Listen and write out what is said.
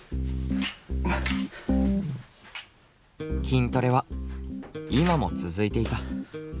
筋トレは今も続いていた。